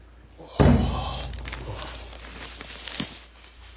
はあ。